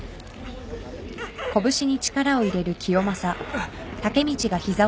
あっ。